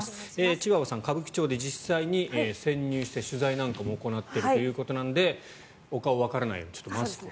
チワワさんは歌舞伎町で実際に潜入して取材なんかも行っているということなのでお顔はわからないようにマスクを。